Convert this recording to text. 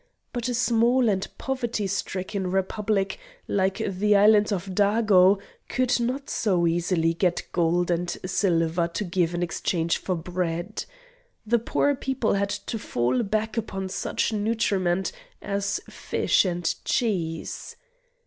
But a small and poverty stricken republic like the island of Dago could not so easily get gold and silver to give in exchange for bread. The poor people had to fall back upon such nutriment as fish and cheese.